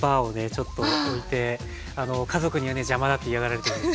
ちょっと置いて家族にはね邪魔だって嫌がられてるんですけども。